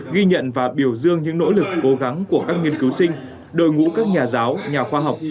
ghi nhận và biểu dương những nỗ lực cố gắng của các nghiên cứu sinh đội ngũ các nhà giáo nhà khoa học